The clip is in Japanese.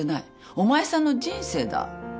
お前さんの人生だ。